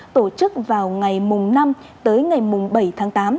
tổ chức vào ngày năm tới ngày mùng bảy tháng tám